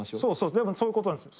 でもそういう事なんですよ。